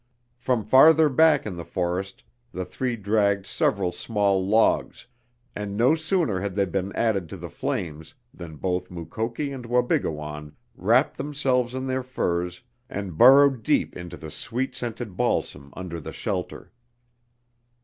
From farther back in the forest the three dragged several small logs, and no sooner had they been added to the flames than both Mukoki and Wabigoon wrapped themselves in their furs and burrowed deep into the sweet scented balsam under the shelter.